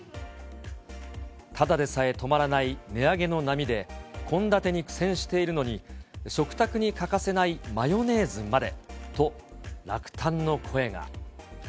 ただでさえ止まらない値上げの波で、献立に苦戦しているのに、食卓に欠かせないマヨネーズまでと、落胆の声が。